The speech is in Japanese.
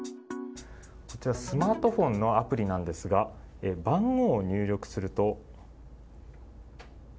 こちらスマートフォンのアプリですが番号を入力すると。